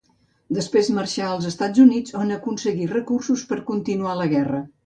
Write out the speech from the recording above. Després marxà cap als Estats Units on aconseguí recursos per continuar la guerra.